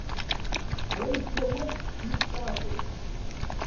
Kra yekka wass nekk ttṛajuɣ-t.